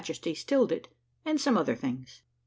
TESTY STILLED IT, AND SOME OTHER THINGS.